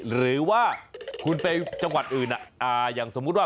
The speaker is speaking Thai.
หรือว่าคุณไปจังหวัดอื่นอย่างสมมุติว่า